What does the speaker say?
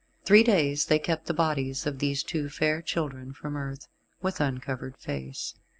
Three days they kept the bodies of these two fair children from earth, with uncovered face.